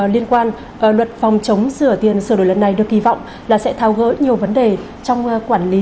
liên quan luật phòng chống sửa tiền sửa đổi lần này được kỳ vọng là sẽ thao gỡ nhiều vấn đề trong quản lý